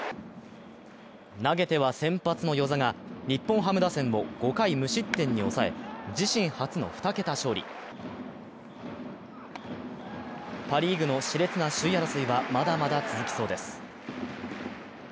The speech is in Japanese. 投げては、先発の與座が日本ハム打線を５回無失点に抑え、自身初の２桁勝利パ・リーグの熾烈な首位争いはまだまだ続きそうです。